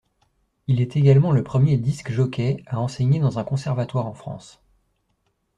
Il est également le premier disc jockey à enseigner dans un conservatoire en France.